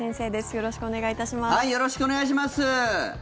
よろしくお願いします。